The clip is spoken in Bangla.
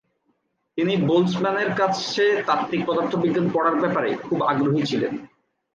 তিনি বোলৎসমানের কাছে তাত্ত্বিক পদার্থবিজ্ঞান পড়ার ব্যাপারে খুব আগ্রহী ছিলেন।